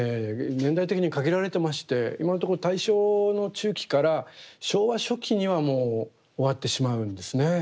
年代的に限られてまして今のところ大正の中期から昭和初期にはもう終わってしまうんですね。